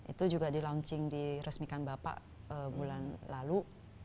itu juga di launching di resmikan bapak bulan lalu